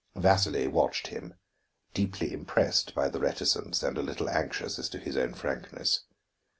Vasili watched him, deeply impressed by the reticence and a little anxious as to his own frankness.